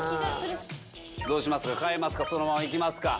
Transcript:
どうします？